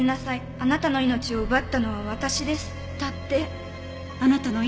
「あなたの命を奪ったのは私です」